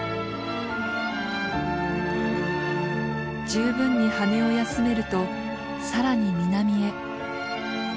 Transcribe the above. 十分に羽を休めると更に南へ。